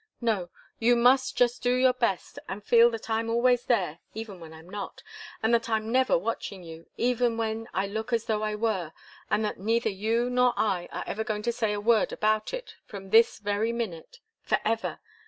No. You must just do your best, and feel that I'm always there even when I'm not and that I'm never watching you, even when I look as though I were, and that neither you nor I are ever going to say a word about it from this very minute, forever!